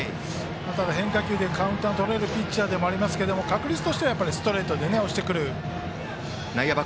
ただ、変化球でカウントをとれるピッチャーですが確率としてはストレートで押してくる。